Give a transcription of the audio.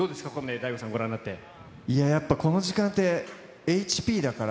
ＤＡＩＧＯさん、いや、やっぱこの時間って、ＨＰだから。